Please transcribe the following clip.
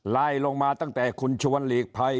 ไล่ลงมาตั้งแต่คุณชวนหลีกภัย